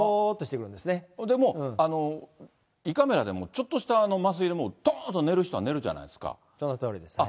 でも、胃カメラでもちょっとした麻酔でもどーんと寝る人はもう寝るじゃそのとおりですね。